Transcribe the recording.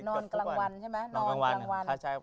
นอนกลางวันใช่ไหม